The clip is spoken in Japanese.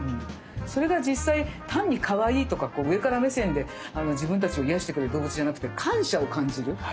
それが実際単にかわいいとか上から目線で自分たちを癒やしてくれる動物じゃなくて感謝を感じる。